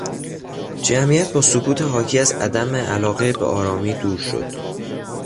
جمعیت با سکوت حاکی از عدم علاقه به آرامی دور شد.